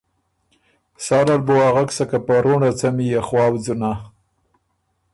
سالل بُو اغک سکه په رُوںړه څمی يې خواؤ ځُونۀ